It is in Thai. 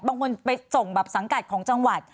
บางคนไปส่งแบบสังกัดของจังหวัด